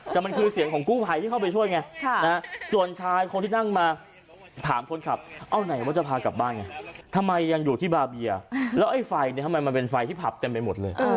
แต่มันคือเสียงของกู้ภัยที่เข้าไปช่วยไงส่วนชายคนที่นั่งมาถามคนขับเอาไหนว่าจะพากลับบ้านไงทำไมยังอยู่ที่บาเบียแล้วไอ้ไฟเนี่ยทำไมมันเป็นไฟที่ผับเต็มไปหมดเลย